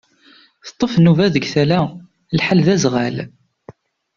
Teṭṭef nnuba deg tala, lḥal d azɣal.